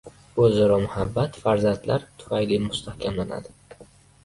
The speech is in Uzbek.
O‘zaro muhabbat farzandlar tufayli mustahkamlanadi.